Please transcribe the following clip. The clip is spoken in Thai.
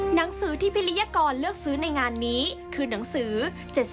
หนังสือที่พิริยกรเลือกซื้อในงานนี้คือหนังสือ